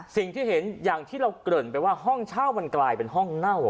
สิ่งที่เห็นอย่างที่เราเกริ่นไปว่าห้องเช่ามันกลายเป็นห้องเน่า